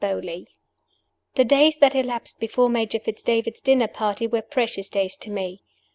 BEAULY. THE days that elapsed before Major Fitz David's dinner party were precious days to me.